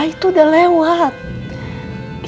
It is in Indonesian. yang tidak ia lakukan sendiri